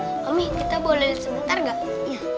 oh ami kita boleh sebentar gak